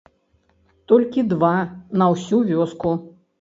Толькі два на ўсю вёску.